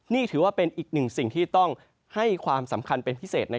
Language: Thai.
นี่ถือว่าเป็นอีกหนึ่งสิ่งที่ต้องให้ความสำคัญเป็นพิเศษ